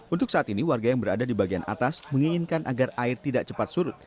untuk saat ini warga yang berada di bagian atas menginginkan agar air tidak cepat surut